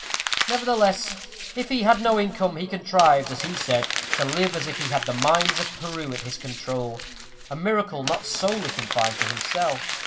Nevertheless, if he had no income, he contrived, as he said, to live as if he had the mines of Peru at his control a miracle not solely confined to himself.